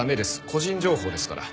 個人情報ですから。